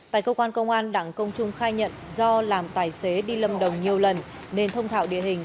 tại cơ quan công an đảng công trung khai nhận do làm tài xế đi lâm đồng nhiều lần nên thông thạo địa hình